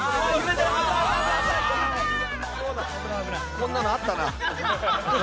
こんなのあったな。